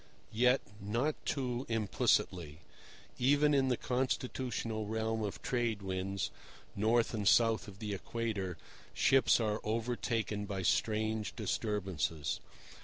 Yet not too implicitly. Even in the constitutional realm of Trade Winds, north and south of the equator, ships are overtaken by strange disturbances.